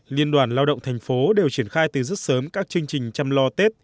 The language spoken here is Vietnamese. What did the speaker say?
liên đoàn lao động thành phố đều triển khai từ rất sớm các chương trình chăm lo tết